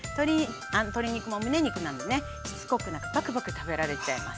鶏肉もむね肉なんでねしつこくなくパクパク食べられちゃいます。